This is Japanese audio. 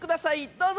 どうぞ！